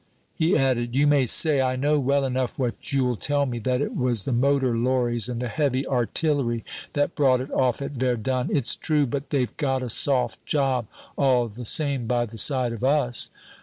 He added, "You may say I know well enough what you'll tell me that it was the motor lorries and the heavy artillery that brought it off at Verdun. It's true, but they've got a soft job all the same by the side of us.